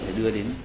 phải đưa đến